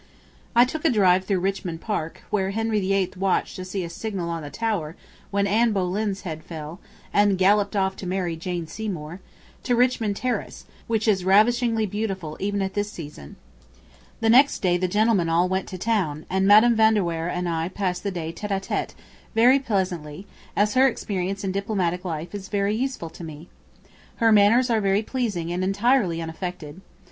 I took a drive through Richmond Park (where Henry the Eighth watched to see a signal on the Tower when Anne Boleyn's head fell, and galloped off to marry Jane Seymour) to Richmond Terrace, which is ravishingly beautiful even at this season. ... The next day the gentleman all went to town, and Madam Van de Weyer and I passed the day tête à tête, very pleasantly, as her experience in diplomatic life is very useful to me. ... Her manners are very pleasing and entirely unaffected.